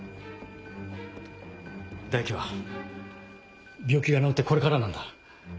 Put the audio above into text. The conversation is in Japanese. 大樹は病気が治ってこれからなんだ。